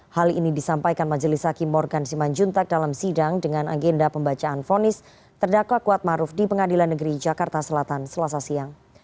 hal ini disampaikan majelis hakim morgan simanjuntak dalam sidang dengan agenda pembacaan fonis terdakwa kuatmaruf di pengadilan negeri jakarta selatan selasa siang